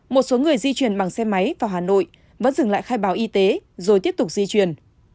một số người di chuyển bằng xe máy vào hà nội vẫn dừng lại khai báo y tế rồi tiếp tục di chuyển